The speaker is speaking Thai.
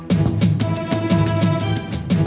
ขอบคุณพระเจ้า